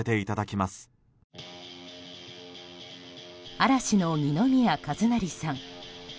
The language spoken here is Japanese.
嵐の二宮和也さん。